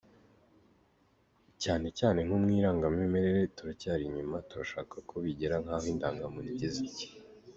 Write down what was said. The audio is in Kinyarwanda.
Cyane cyane nko mu irangamimerere turacyari inyuma turashaka ko bigera nk’aho indangamuntu igeze.